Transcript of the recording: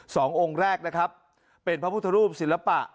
สององค์แรกนะครับเป็นพระพุทธรูปศิลปะ